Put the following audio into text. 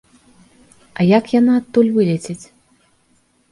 А як яна адтуль вылеціць?